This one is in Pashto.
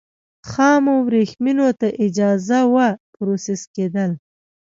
خامو ورېښمو ته اجازه وه پروسس کېدل.